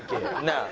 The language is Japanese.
なあ。